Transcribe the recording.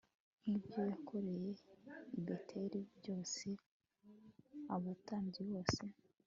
nk ibyo yakoreye i beteli byose abatambyi bose